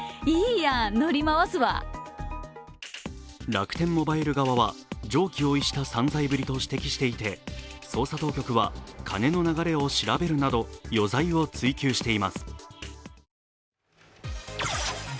楽天モバイル側は常軌を逸した散財ぶりと指摘していて、捜査当局は金の流れを調べるなど余罪を追及しています。